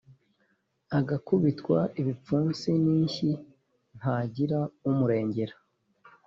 agakubitwa ibipfunsi n'inshyi, ntagira umurengera?